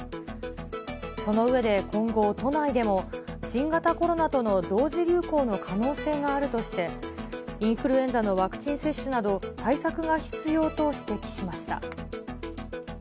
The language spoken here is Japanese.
その上で、今後、都内でも新型コロナとの同時流行の可能性があるとして、インフルエンザのワクチン接種など、対策が必要と指摘しました。